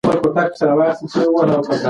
هیلې غوښتل چې یو ښه مسلک ولري.